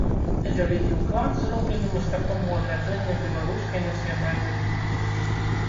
Вялікі ўклад зроблены мастаком у адраджэнне беларускай нацыянальнай культуры.